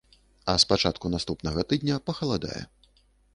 А з пачатку наступнага тыдня пахаладае.